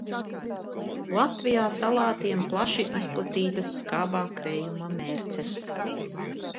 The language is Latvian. Latvijā salātiem plaši izplatītas skābā krējuma mērces.